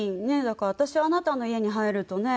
だから私あなたの家に入るとね